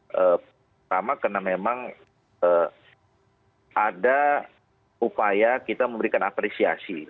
pertama karena memang ada upaya kita memberikan apresiasi